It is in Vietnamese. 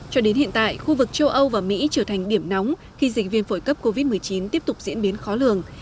cho đến hiện tại khu vực châu âu và mỹ trở thành điểm nóng khi dịch viêm phổi cấp covid một mươi chín tiếp tục diễn biến khó lường